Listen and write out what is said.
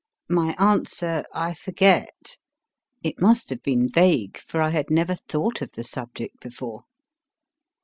My answer I forget. It must have been vague, for I had never thought of the subject before.